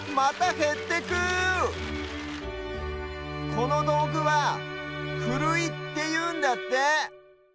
このどうぐは「ふるい」っていうんだって。